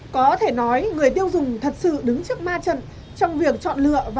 có thể nói người tiêu dùng thật sự đứng trước ma trận trong việc chọn lựa và